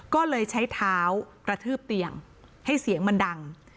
ก็เลยใช้เท้ากระทืบเตียงให้เสียงมันดัง